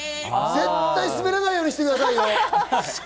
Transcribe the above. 絶対すべらないようにしてくださいよ。